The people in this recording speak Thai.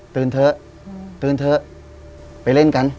เถอะตื่นเถอะไปเล่นกัน